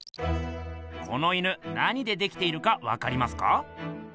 この犬何でできているかわかりますか？